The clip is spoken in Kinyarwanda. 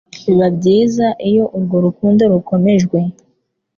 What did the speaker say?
Biba byiza iyo urwo rukundo rukomejwe